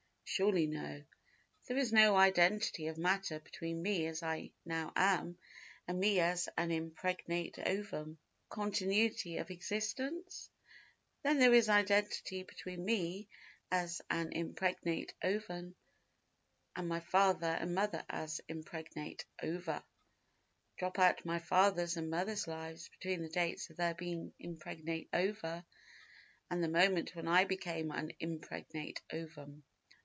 Surely no. There is no identity of matter between me as I now am, and me as an impregnate ovum. Continuity of existence? Then there is identity between me as an impregnate ovum and my father and mother as impregnate ova. Drop out my father's and mother's lives between the dates of their being impregnate ova and the moment when I became an impregnate ovum.